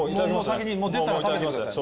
先に出たら食べてください